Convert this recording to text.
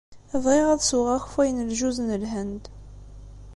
Bɣiɣ ad sweɣ akeffay n ljuz n Lhend.